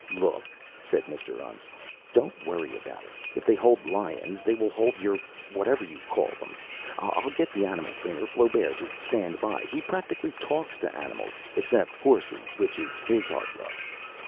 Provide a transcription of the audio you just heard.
"Look," said Mr. Untz. "Don't worry about it. If they hold lions they will hold your whatever you call thems. I'll get the animal trainer, Flaubert, to stand by. He practically talks to animals except horses, which is his hard luck."